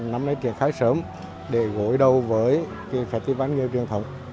năm nay truyền khai sớm để gội đầu với phật tư văn nghề truyền thống